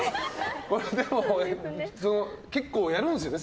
でも、結構やるんですよね